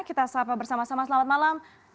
kita sapa bersama sama selamat malam